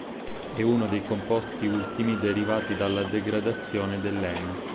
È uno dei composti ultimi derivati dalla degradazione dell'eme.